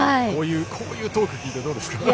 こういうトークを聞いてどうですか？